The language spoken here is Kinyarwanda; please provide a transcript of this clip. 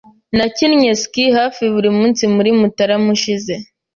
Nakinnye ski hafi buri munsi muri Mutarama ushize.